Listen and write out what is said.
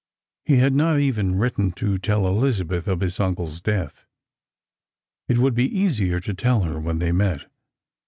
He had not even written to tell Elizabeth of his uncle's death. It would be easier to tell her when they met.